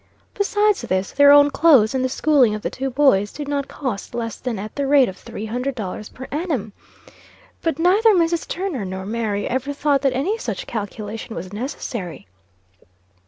Besides this, their own clothes, and the schooling of the two boys did not cost less than at the rate of $300 per annum. But neither Mrs. Turner nor Mary ever thought that any such calculation was necessary.